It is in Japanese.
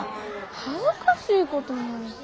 恥ずかしいことないて。